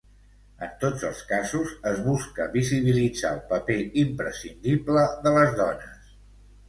En tots els casos, es busca visibilitzar el paper imprescindible de les dones.